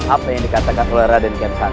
apa yang dikatakan rada dan ketak